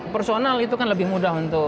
personal itu kan lebih mudah untuk